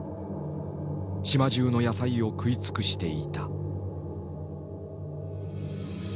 島じゅうの野菜を食い尽くしていた。